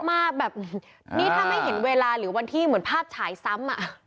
นี่ถ้าไม่เห็นเวลาหรือวันที่เหมือนภาพฉายซ้ำ